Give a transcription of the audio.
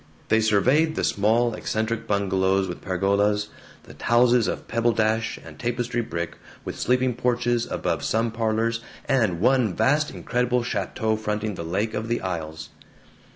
They surveyed the small eccentric bungalows with pergolas, the houses of pebbledash and tapestry brick with sleeping porches above sun parlors, and one vast incredible chateau fronting the Lake of the Isles.